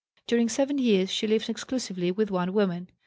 During seven years she lived exclusively with one woman.